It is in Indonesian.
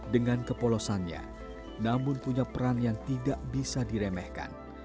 dengan kepolosannya namun punya peran yang tidak bisa diremehkan